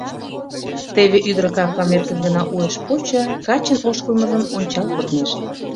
Теве ӱдыр капкам эркын гына уэш почо, качын ошкылмыжым ончал коднеже.